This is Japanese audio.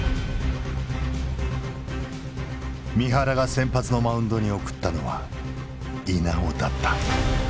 三原が先発のマウンドに送ったのは稲尾だった。